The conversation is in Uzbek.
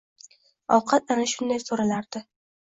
Ovqat ana shunday soʻralardi